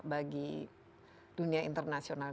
bagi dunia internasional